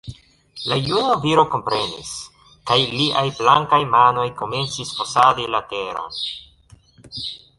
La juna viro komprenis; kaj liaj blankaj manoj komencis fosadi la teron.